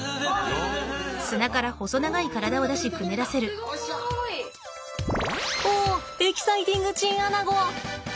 エキサイティングチンアナゴ。